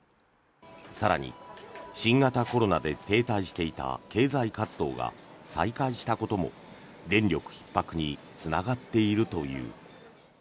更に新型コロナで停滞していた経済活動が再開したことも、電力ひっ迫につながっているという。